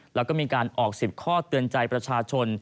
แล้วก็มีการออก๑๐ข้อเตือนใจประชาชน